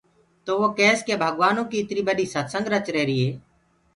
تو وو ڪيس ڪي ڀگوآنو ڪو اِترو ٻڏو ستسنگ رچ رهيرو هي۔